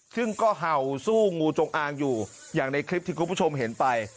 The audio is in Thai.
ซึ่งก็เห่าสู้งูจงอางอยู่อย่างในคลิปที่คุณผู้ชมเห็นไป